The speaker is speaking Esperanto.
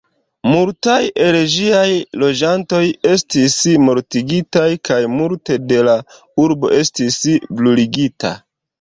Multaj el ĝiaj loĝantoj estis mortigitaj kaj multe de la urbo estis bruligita.